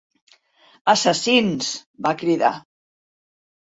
"Assassins!", va cridar.